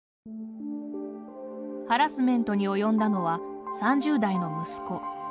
ハラスメントに及んだのは３０代の息子。